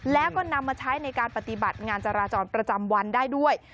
แล้วก็นำมาใช้ในการปฏิบัติงานจราจรประจำวันได้ด้วย